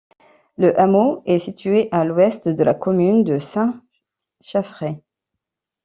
Le hameau est situé à l'ouest de la commune de Saint-Chaffrey.